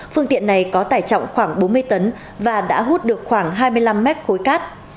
phương tiện này có tải trọng khoảng bốn mươi tấn và đã hút được khoảng hai mươi năm mét khối cát